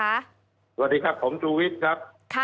สวัสดีครับผมชูวิทย์ครับ